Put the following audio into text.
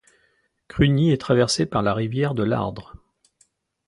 Crugny est traversée par la rivière de l’Ardre.